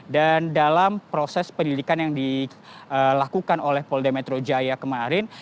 dan dalam proses penyelidikan yang dilakukan oleh polda metro jaya kemarin